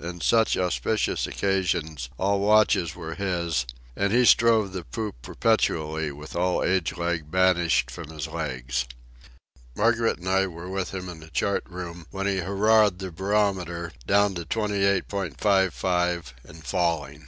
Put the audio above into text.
In such auspicious occasions all watches were his, and he strode the poop perpetually with all age lag banished from his legs. Margaret and I were with him in the chart room when he hurrahed the barometer, down to 28.55 and falling.